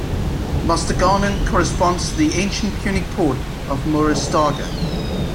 Mostaganem corresponds to the ancient Punic port of Murustaga.